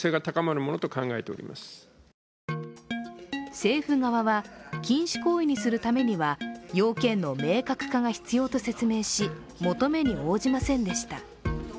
政府側は、禁止行為にするためには要件の明確化が必要と説明し求めに応じませんでした。